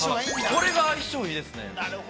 ◆これが相性いいですね。